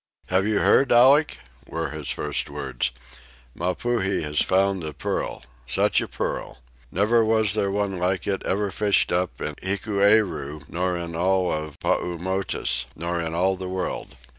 "Have you heard, Alec?" were his first words. "Mapuhi has found a pearl such a pearl. Never was there one like it ever fished up in Hikueru, nor in all the Paumotus, nor in all the world.